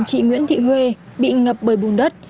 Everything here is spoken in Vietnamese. chị nguyễn thị huê bị ngập bởi bùn đất